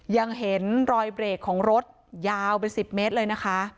ยังเห็นรอยเบรกของรถยาวเป็น๑๐เมตรเลยนะคะ